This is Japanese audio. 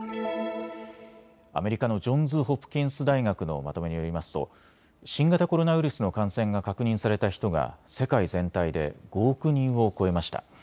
アメリカのジョンズ・ホプキンス大学のまとめによりますと新型コロナウイルスの感染が確認された人が世界全体で５億人を超えました。